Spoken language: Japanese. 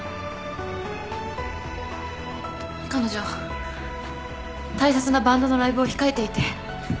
彼女大切なバンドのライブを控えていて。